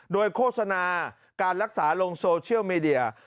โดยโฆษณาการรักษาลงโซเชียลมีเดีย